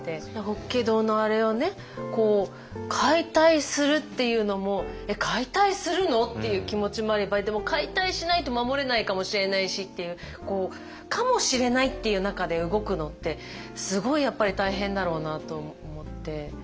法華堂のあれをね解体するっていうのもえっ解体するの？っていう気持ちもあればでも解体しないと守れないかもしれないしっていう「かもしれない」っていう中で動くのってすごいやっぱり大変だろうなと思って。